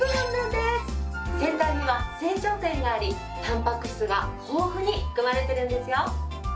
先端には成長点がありたんぱく質が豊富に含まれてるんですよ。